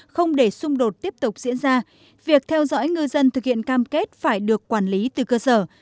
không để xung đột tiếp tục diễn ra việc theo dõi ngư dân thực hiện cam kết phải được quản lý từ cơ sở